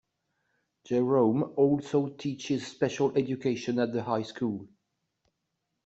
Jerome also teaches special education at the high school.